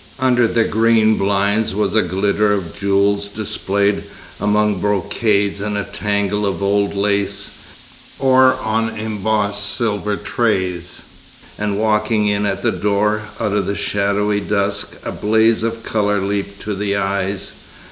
Under the green blinds was a glitter of jewels displayed among brocades and a tangle of old lace, or on embossed silver trays; and walking in at the door, out of the shadowy dusk, a blaze of colour leaped to the eyes.